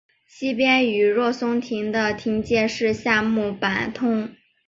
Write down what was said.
西边与若松町的町界是夏目坂通。